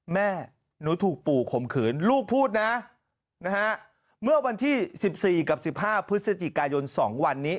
แม่หนูถูกปู่ข่มขืนลูกพูดนะเมื่อวันที่๑๔กับ๑๕พฤศจิกายน๒วันนี้